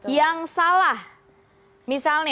yang salah misalnya